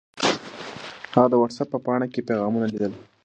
هغه د وټس اپ په پاڼه کې پیغامونه لیدل.